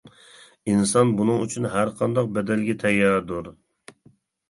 ئىنسان بۇنىڭ ئۈچۈن ھەرقانداق بەدەلگە تەيياردۇر.